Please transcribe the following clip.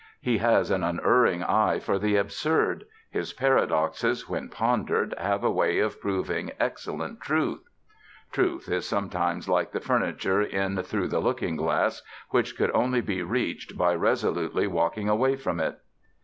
He has an unerring eye for the absurd; his paradoxes, when pondered, have a way of proving excellent truth. (Truth is sometimes like the furniture in Through the Looking Glass, which could only be reached by resolutely walking away from it.)